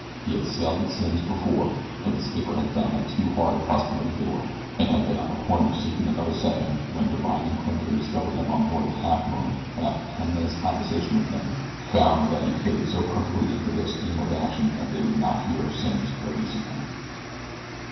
He had sailed with Simms before, but the skipper had found him too hard a customer to deal with, and had been on the point of seeking another second when Divine and Clinker discovered him on board the Halfmoon and after ten minutes' conversation with him found that he fitted so perfectly into their scheme of action that they would not hear of Simms' releasing him.